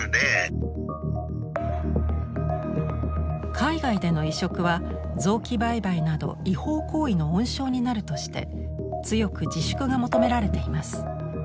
海外での移植は臓器売買など違法行為の温床になるとして強く自粛が求められています。